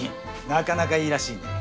なかなかいいらしいね。